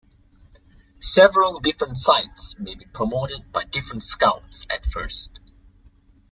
Several different sites may be promoted by different scouts at first.